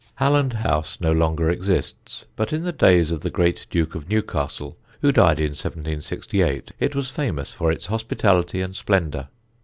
Halland House no longer exists, but in the days of the great Duke of Newcastle, who died in 1768, it was famous for its hospitality and splendour.